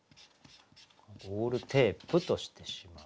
「ゴールテープ」としてしまう。